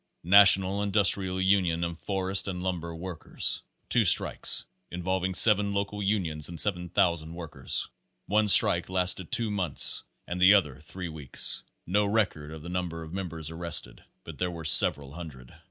National Industrial Union of Forest and Lumber Workers. Two strikes, involving seven local unions and 7,000 workers. One strike lasted two months and the other three weeks. No record of the number of mem bers arrested, but there were sevral hundred.